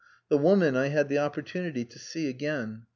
The woman I had the opportunity to see again.